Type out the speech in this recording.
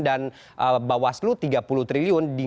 dan bawah selu rp tiga puluh triliun